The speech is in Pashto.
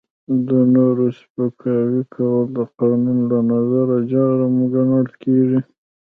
د نورو سپکاوی کول د قانون له نظره جرم ګڼل کیږي.